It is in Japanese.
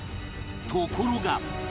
ところが